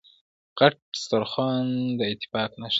غټ سترخوان داتفاق نښه ده.